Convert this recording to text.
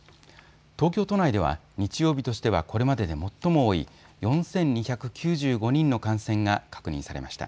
東京都内では日曜日としてはこれまでで最も多い４２９５人の感染が確認されました。